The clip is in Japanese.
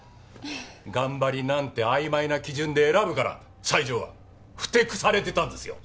頑張りなんてあいまいな基準で選ぶから西条はふてくされてたんですよ。